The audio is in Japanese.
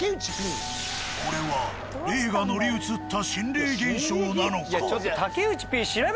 これは霊が乗り移った心霊現象なのか？